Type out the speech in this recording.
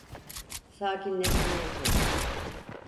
Sakinleşmeye çalış.